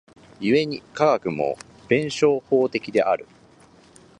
故に科学も弁証法的である。